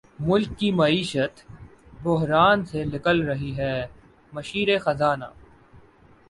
ملک کی معیشت بحران سے نکل رہی ہے مشیر خزانہ